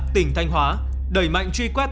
tỉnh thanh hóa đẩy mạnh truy quét